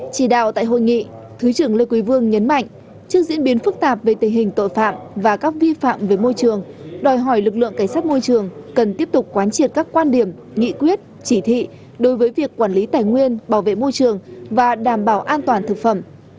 chỉ đạo tại hội nghị thứ trưởng lê quý vương nhấn mạnh trước diễn biến phức tạp về tình hình tội phạm và các vi phạm về môi trường đòi hỏi lực lượng cảnh sát môi trường cần tiếp tục quán triệt các quan điểm nghị quyết chỉ thị đối với việc quản lý tài nguyên bảo vệ môi trường và đảm bảo an toàn thực phẩm